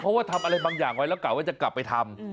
เพราะว่าทำอะไรบางอย่างไว้แล้วกะว่าจะกลับไปทำ